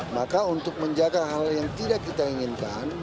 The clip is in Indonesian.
maka untuk menjaga hal hal yang tidak kita inginkan